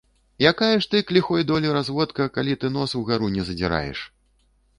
Якая ж ты, к ліхой долі, разводка, калі ты нос угару не задзіраеш!